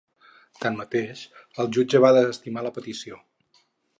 Tanmateix, el jutge va desestimar la petició.